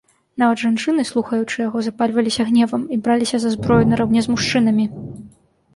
Нават жанчыны, слухаючы яго, запальваліся гневам і браліся за зброю нараўне з мужчынамі.